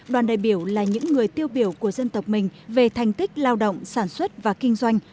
đoàn đại biểu là những người tiêu biểu của dân tộc mình về thành tích lao động sản xuất và kinh doanh